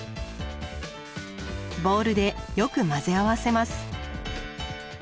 ボウルでよく混ぜ合わせます。